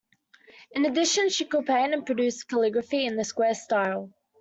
In addition she could paint and produce calligraphy in the square style.